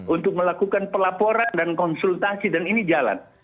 untuk melakukan pelaporan dan konsultasi dan ini jalan